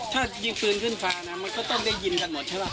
ถ้ายิงปืนขึ้นฟ้านะมันก็ต้องได้ยินกันหมดใช่ป่ะ